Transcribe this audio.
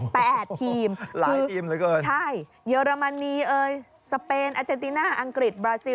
แปดทีมคือใช่เยอรมนีเอิร์สเปนอาเจนติน่าอังกฤษ